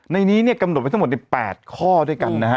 ในนี้เนี่ยกำหนดไว้ทั้งหมดใน๘ข้อด้วยกันนะฮะ